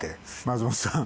松本さん